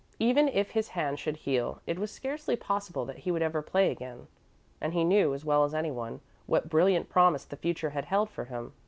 Even if his hand should heal, it was scarcely possible that he would ever play again, and he knew, as well as anyone, what brilliant promise the future had held for him.